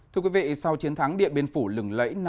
thưa quý vị sau chiến thắng địa biên phủ lừng lẫy